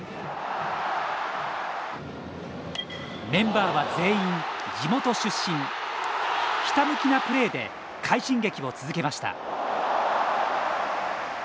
メンバーは全員地元出身ひたむきなプレーで快進撃を続けました。